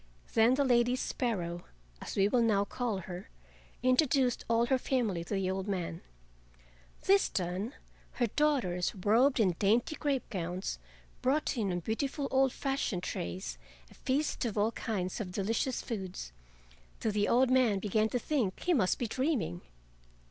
Then the Lady Sparrow, as we will now call her, introduced all her family to the old man. This done, her daughters, robed in dainty crape gowns, brought in on beautiful old fashioned trays a feast of all kinds of delicious foods, till the old man began to think he must be dreaming.